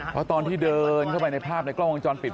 เพราะตอนที่เดินเข้าไปในภาพในกล้องวงจรปิด